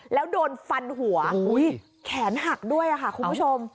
แล้วโดนฟันหัวแขนหักด้วยค่ะคุณผู้ชม